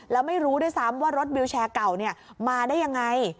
แล้วไม่รู้ด้วยซ้ำว่ารถวิวแชร์เก่ามาได้ยังไง